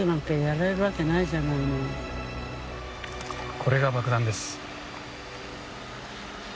これが爆弾です。